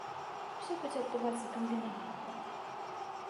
Усё будзе адбывацца камбінавана.